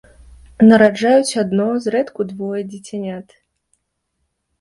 Нараджаюць адно, зрэдку двое дзіцянят.